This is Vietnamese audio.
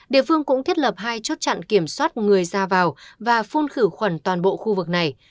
địa phương cũng thiết lập hai chốt chặn kiểm soát người ra vào và phun khử khuẩn toàn bộ khu vực này